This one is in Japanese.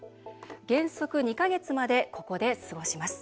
原則２か月までここで過ごします。